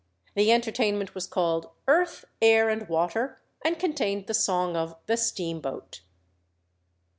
The entertainment was called "Earth, Air, and Water," and contained the song of "The Steam Boat."